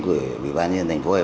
của bộ giao thông vận tải